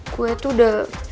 gue tuh udah